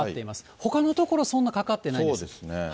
ほかの所、そんなかかってないです。